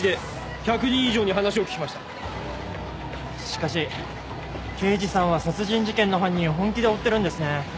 しかし刑事さんは殺人事件の犯人を本気で追ってるんですね。